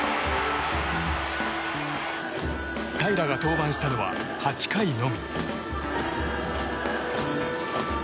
平良が登板したのは、８回のみ。